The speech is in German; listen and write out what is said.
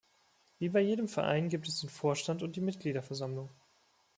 Wie bei jedem Verein gibt es den Vorstand und die Mitgliederversammlung.